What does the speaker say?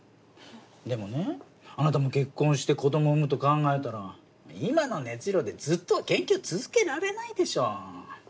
でもねあなたも結婚して子供産むと考えたら今の熱量でずっと研究続けられないでしょ。